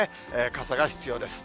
傘が必要です。